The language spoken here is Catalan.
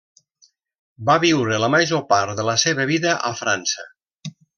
Va viure la major part de la seva vida a França.